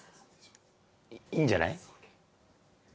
いいいんじゃない？